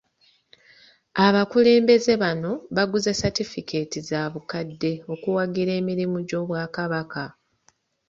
Abakulembeze bano baguze Satifikeeti za bukadde okuwagira emirimu gy'Obwakabaka.